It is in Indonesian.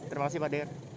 terima kasih pak